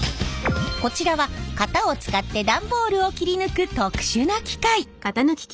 こちらは型を使って段ボールを切り抜く特殊な機械。